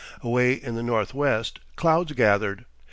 Away in the north west clouds gathered.